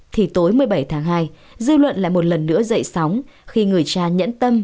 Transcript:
thì tối một mươi bảy tháng hai dư luận lại một lần nữa dậy sóng khi người cha nhẫn tâm